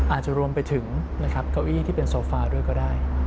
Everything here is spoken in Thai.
อาจจะรวมไปถึงนะครับเก้าอี้ที่เป็นโซฟาด้วยก็ได้